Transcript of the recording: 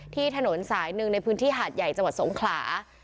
ถนนสายหนึ่งในพื้นที่หาดใหญ่จังหวัดสงขลา